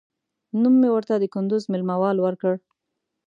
نوم مې ورته د کندوز مېله وال ورکړ.